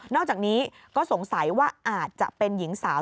อกจากนี้ก็สงสัยว่าอาจจะเป็นหญิงสาว